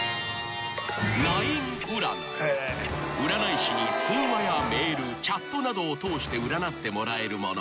［占い師に通話やメールチャットなどを通して占ってもらえるもの］